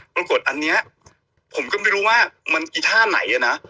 ปรากฏอันนี้ผมก็ไม่รู้ว่ามันอีท่าไหนอ่ะนะ